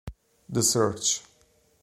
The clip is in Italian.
The Search